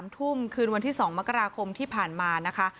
ทุ่มคืนวันที่๒มกราคมที่ผ่านมานะคะ